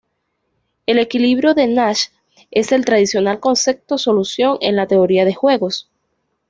El equilibrio de Nash es el tradicional concepto solución en la teoría de juegos.